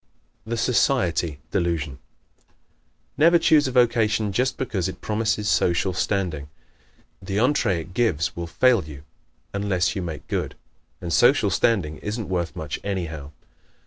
The "Society" Delusion ¶ Never choose a vocation just because it promises social standing. The entree it gives will fail you unless you make good. And social standing isn't worth much anyhow.